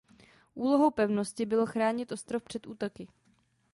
Úlohou pevnosti bylo chránit ostrov před útoky.